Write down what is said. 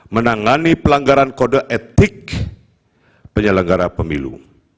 menangani pelanggaran kode etik penyelenggara pemilu